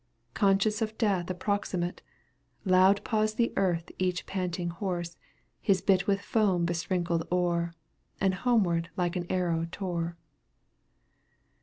Conscious of death approximate, Loud paws the earth each panting horse, ffis bit with foam besprinkled o'er, And homeward like an arrow tore.